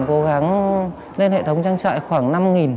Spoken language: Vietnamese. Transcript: cố gắng lên hệ thống trang trại khoảng năm